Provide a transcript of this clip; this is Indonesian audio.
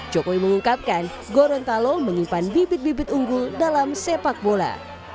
jokowi mengungkapkan gorontalo menyimpan bibit bibit unggul dalam sepak bola